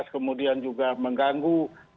kemudian juga mengganggu